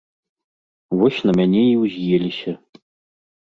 Вось на мяне і ўз'еліся.